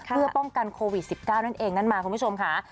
เพื่อป้องกันโควิด๑๙นั่นเองนั่นมาคุณผู้ชมค่ะ